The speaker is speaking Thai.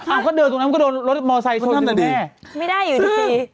อ้าวเขาเดินตรงนั้นก็โดนรถมอเตอร์ไซด์ชอบย้อนแม่ซึ่งไม่ได้อยู่ดี